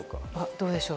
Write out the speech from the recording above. どうでしょう。